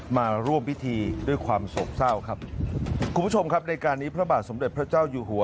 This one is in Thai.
มาร่วมพิธีด้วยความโศกเศร้าครับคุณผู้ชมครับในการนี้พระบาทสมเด็จพระเจ้าอยู่หัว